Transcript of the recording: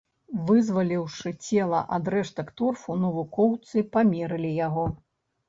Вызваліўшы цела ад рэштак торфу, навукоўцы памералі яго.